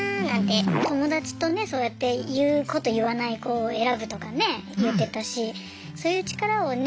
友達とねそうやって言う子と言わない子を選ぶとかね言ってたしそういう力をね